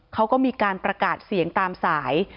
เขาก็มีการประกาศเสียงตามสาย